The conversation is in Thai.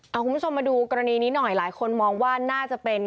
เอาคุณผู้ชมมาดูกรณีนี้หน่อยหลายคนมองว่าน่าจะเป็น